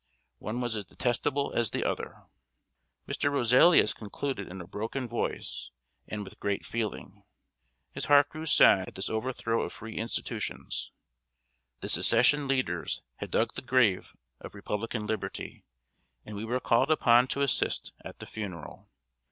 One was as detestable as the other. Mr. Roselius concluded in a broken voice and with great feeling. His heart grew sad at this overthrow of free institutions. The Secession leaders had dug the grave of republican liberty, and we were called upon to assist at the funeral!